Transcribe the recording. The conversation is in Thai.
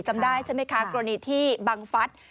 จำได้ใช่ไหมคะกรณีที่บังฟัฐ